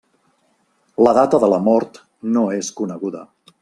La data de la mort no és coneguda.